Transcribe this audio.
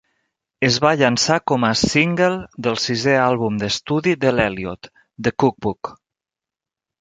Es va llançar com a single del sisè àlbum d'estudi de l'Eliott, "The Cookbook".